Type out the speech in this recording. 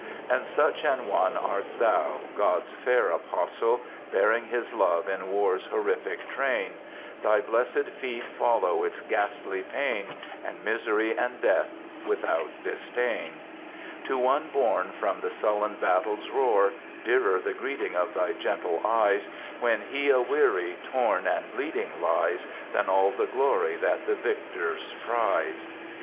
"And such an one art thou,—God's fair apostle, Bearing his love in war's horrific train; Thy blessed feet follow its ghastly pain, And misery, and death, without disdain. "To one borne from the sullen battle's roar, Dearer the greeting of thy gentle eyes, When he aweary, torn, and bleeding lies, Than all the glory that the victors prize.